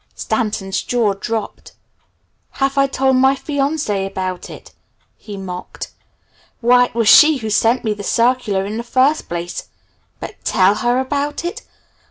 Stanton's jaw dropped. "Have I told my fiancée about it?" he mocked. "Why it was she who sent me the circular in the first place! But, 'tell her about it'?